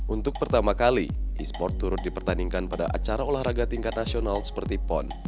untuk pertama kali e sport turut dipertandingkan pada acara olahraga tingkat nasional seperti pon